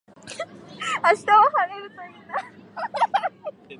明日は晴れるといいな